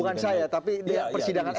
bukan saya tapi persidangan nk ya